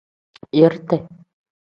Yiriti.